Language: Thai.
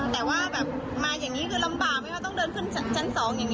มาอยู่แบบนี้ก็ลำบากนวกว่าต้องเดินขึ้นชั้น๒